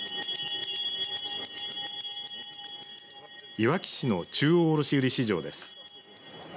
いわき市の中央卸売市場です。